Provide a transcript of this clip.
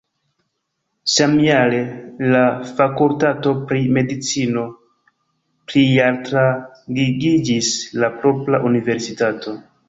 Samjare la fakultato pri medicino plialtrangigiĝis je propra universitato.